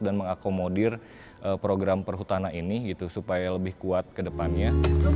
dan mengakomodir program perhutana ini gitu supaya lebih kuat ke depannya